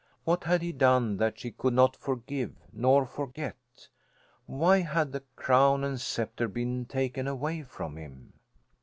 What had he done that she could not forgive nor forget? Why had the crown and sceptre been taken away from him?